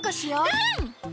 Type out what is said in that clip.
うん！